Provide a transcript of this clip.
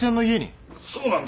そうなんだよ。